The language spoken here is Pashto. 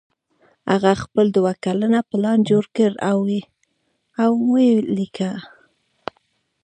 هغه خپل دوه کلن پلان جوړ کړ او ویې لیکه